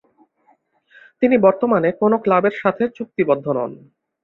তিনি বর্তমানে কোন ক্লাবের সাথে চুক্তিবদ্ধ নন।